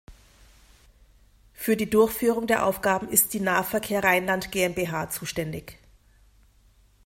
Für die Durchführung der Aufgaben ist die Nahverkehr Rheinland GmbH zuständig.